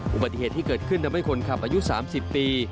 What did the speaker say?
อุบัติเหตุที่เกิดขึ้นทำให้คนขับอายุ๓๐ปี